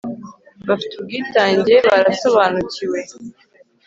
bafite ubwitange, barasobanukiwe